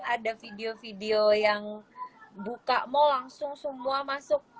ada video video yang buka mau langsung semua masuk